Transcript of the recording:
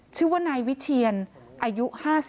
ชื่อว่านายวิเชียนอายุ๕๓